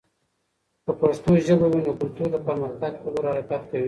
که پښتو ژبه وي، نو کلتور د پرمختګ په لور حرکت کوي.